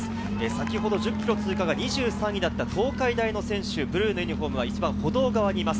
先ほど１０ｋｍ通過が２３位だった東海大の選手、ブルーのユニホームは歩道側にいます。